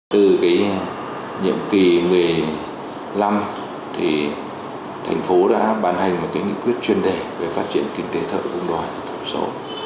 từ nhiệm kỳ một mươi năm thành phố đã bàn hành một nghị quyết chuyên đề về phát triển kinh tế thậu cũng gọi là thiểu số